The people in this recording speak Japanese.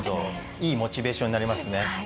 いいモチベーションになりますね。